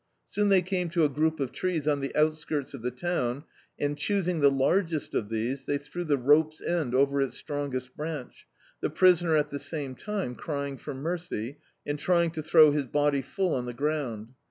Soon they came to a group of trees on the outskirts of the town, and, choosing the largest of these, they threw the rope's end over its strongest branch, the prisoner at the same time crying for mercy, and trying to throw his body full on the ground.